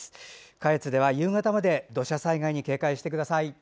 下越では夕方まで土砂災害に警戒してください。